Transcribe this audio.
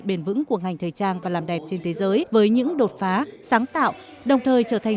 bền vững của ngành thời trang và làm đẹp trên thế giới với những đột phá sáng tạo đồng thời trở thành